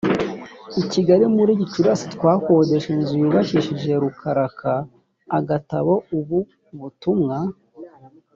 i kigali muri gicurasi twakodesheje inzu yubakishije rukarakaagatabo ubu butumwa